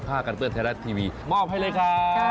กันเปื้อนไทยรัฐทีวีมอบให้เลยครับ